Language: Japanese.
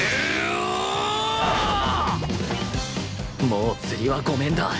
もう釣りはごめんだ